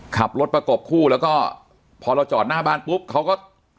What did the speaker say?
ขับรถประกบคู่แล้วก็พอเราจอดหน้าบ้านปุ๊บเขาก็